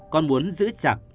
con muốn giữ chặt